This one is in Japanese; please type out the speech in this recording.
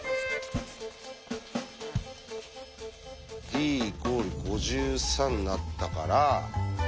ｄ＝５３になったから。